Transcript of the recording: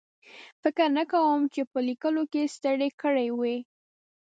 فکر نه کوم چې په لیکلو کې ستړی کړی وي.